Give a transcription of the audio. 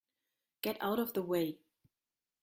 Get out of the way!